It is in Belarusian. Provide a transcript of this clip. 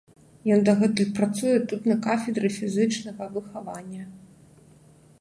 Ён дагэтуль працуе тут на кафедры фізічнага выхавання.